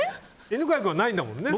犬飼君はないんだもんね。